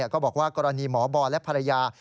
ก็บอกว่ากรณีหมอบอลและภรรยา